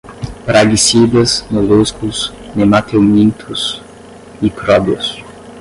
praguicidas, moluscos, nematelmintos, micróbios